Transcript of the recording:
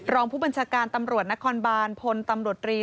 รองผู้บัญชาการตำรวจนครบานพลตำรวจรี